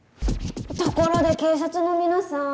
ところで警察の皆さん。